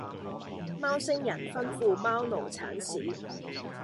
貓星人吩咐貓奴剷屎